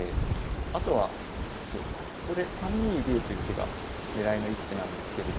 あとはこれ３二竜という手が狙いの一手なんですけれども。